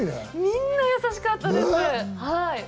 みんな優しかったです。